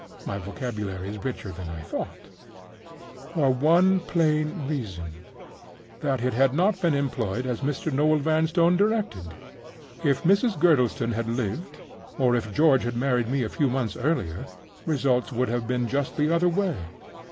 my vocabulary is richer than I thought), for one plain reason—that it had not been employed as Mr. Noel Vanstone directed. If Mrs. Girdlestone had lived, or if George had married me a few months earlier, results would have been just the other way.